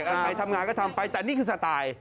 มายัยทำงานก็ทำไปท่านนี่คือสไตล์